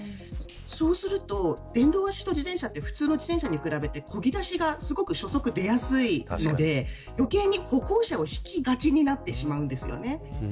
そうすると電動アシスト自転車って他の自転車に比べてこぎだしが初速が出やすいので余計に歩行者をひきがちになってしまうんです。